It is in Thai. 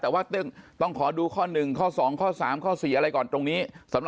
แต่ว่าต้องขอดูข้อหนึ่งข้อสองข้อสามข้อสี่อะไรก่อนตรงนี้